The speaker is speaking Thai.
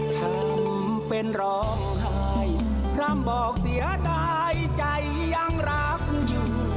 ทำเป็นรอบหายพร้ำบอกเสียใจใจยังรักอยู่